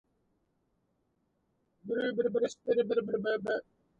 It is impossible to express our surprise.